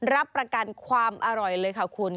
รับประกันความอร่อยเลยค่ะคุณ